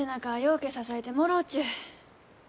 うけ支えてもろうちゅう。